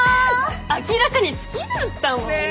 明らかに好きだったもんね。